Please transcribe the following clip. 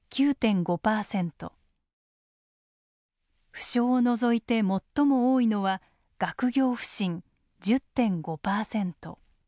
不詳を除いて最も多いのは学業不振１０．５％。